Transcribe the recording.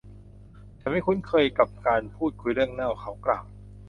'ฉันไม่คุ้นเคยกับการพูดคุยเรื่องเน่า' เขากล่าว